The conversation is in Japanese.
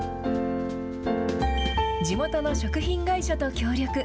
地元の食品会社と協力。